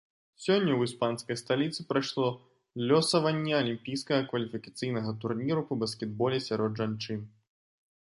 Сёння ў іспанскай сталіцы прайшло лёсаванне алімпійскага кваліфікацыйнага турніру па баскетболе сярод жанчын.